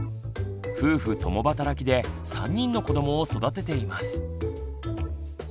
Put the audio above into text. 夫婦共働きで３人の子どもを育てています。